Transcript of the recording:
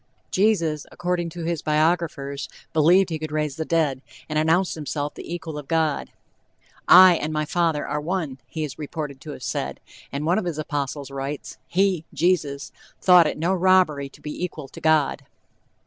Jesus, according to his biographers, believed he could raise the dead, and announced himself the equal of God. "I and my father are one," he is reported to have said; and one of his apostles writes: "He (Jesus) thought it no robbery to be equal to God."